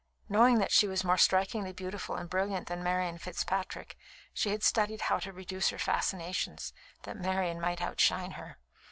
Knowing that she was more strikingly beautiful and brilliant than Marian Fitzpatrick, she had studied how to reduce her fascinations, that Marian might outshine her.